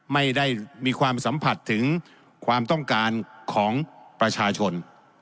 ไม่ได้มีความสัมผัสถึงความต้องการของประชาชน